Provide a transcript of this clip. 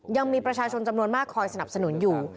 ยังมีประชาชนจำนวนมากคอยสนับสนุนอยู่